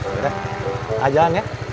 ya udah aja aja ya